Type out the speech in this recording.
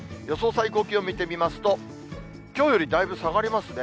最高気温見てみますと、きょうよりだいぶ下がりますね。